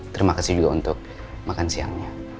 terima kasih juga untuk makan siangnya